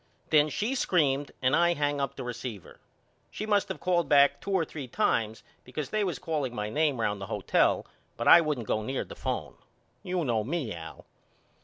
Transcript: Then she screamed and I hangup the receiver. She must of called back two or three times because they was calling my name round the hotel but I wouldn't go near the phone. You know me Al.